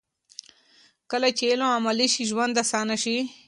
کله چې علم عملي شي، ژوند اسانه شي.